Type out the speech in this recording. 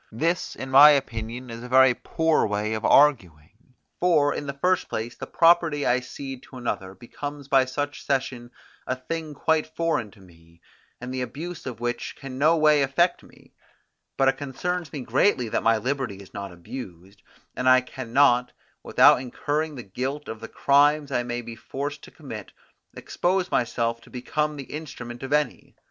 This, in my opinion, is a very poor way of arguing; for, in the first place, the property I cede to another becomes by such cession a thing quite foreign to me, and the abuse of which can no way affect me; but it concerns me greatly that my liberty is not abused, and I can not, without incurring the guilt of the crimes I may be forced to commit, expose myself to become the instrument of any.